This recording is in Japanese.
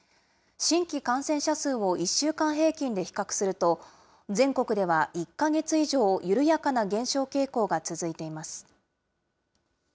新規感染者数を１週間平均で比較すると、全国では１か月以上、緩やかな減少傾向が続いています。